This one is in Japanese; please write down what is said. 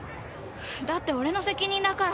だって俺の責任だから。